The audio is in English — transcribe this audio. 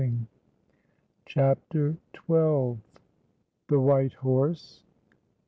CHAPTER XII. THE WHITE HORSE.